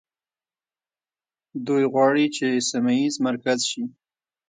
دوی غواړي چې سیمه ییز مرکز شي.